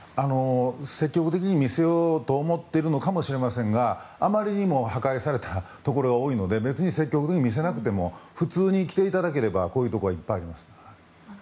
積極的に見せようと思っているのかもしれませんがあまりにも破壊されたところが多いので、別に積極的に見せなくても普通に来ていただければこういうところはいっぱいあります。